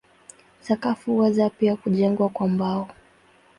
Sakafu huweza pia kujengwa kwa mbao.